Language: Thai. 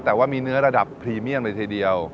แต่ว่ามีเนื้อระดับพรีเมียมเลยทีเดียว